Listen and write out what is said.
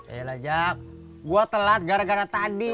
eh lajak gue telat gara gara tadi